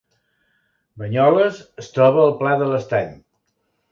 Banyoles es troba al Pla de l’Estany